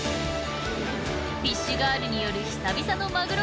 フィッシュガールによる久々のマグロ